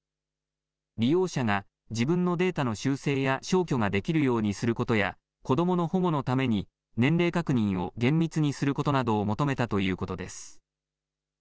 利用者が自分のデータの修正や消去ができるようにすることや子どもの保護のために年齢確認を厳密にすることなどを求めたということです。